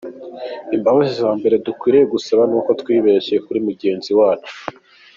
Imbabazi za mbere dukwiye gusaba ni uko twibeshye kuri mugenzi wacu.